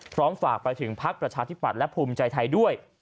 พร้อมฝากไปถึงภักดิ์ประชาธิบัตรและภูมิใจไทยด้วย